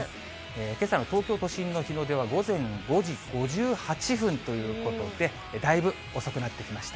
けさの東京都心の日の出は午前５時５８分ということで、だいぶ遅くなってきました。